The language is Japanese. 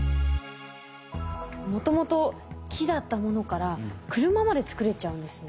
もともと木だったものから車まで作れちゃうんですね。